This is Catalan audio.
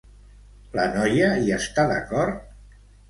La noia hi està d'acord?